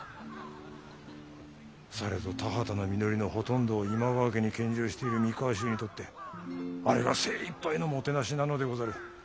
されど田畑の実りのほとんどを今川家に献上している三河衆にとってあれが精いっぱいのもてなしなのでござる。